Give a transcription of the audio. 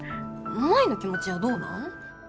舞の気持ちはどうなん？